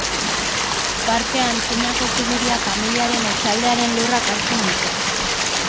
Parkea antzinako Zubiria familiaren etxaldearen lurrak hartzen ditu.